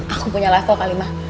aku punya level kalimah